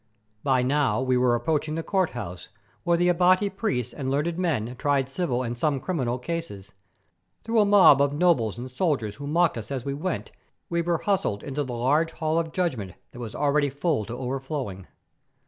By now we were approaching the court house where the Abati priests and learned men tried civil and some criminal cases. Through a mob of nobles and soldiers who mocked us as we went, we were hustled into the large hall of judgment that was already full to overflowing.